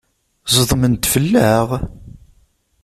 Ẓedmen-d fell-aɣ!